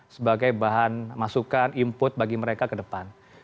sebagai bahan masukan input bagi mereka ke depan